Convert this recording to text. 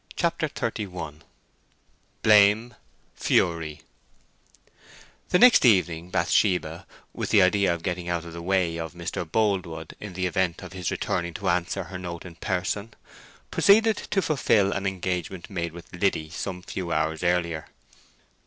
CHAPTER XXXI BLAME—FURY The next evening Bathsheba, with the idea of getting out of the way of Mr. Boldwood in the event of his returning to answer her note in person, proceeded to fulfil an engagement made with Liddy some few hours earlier.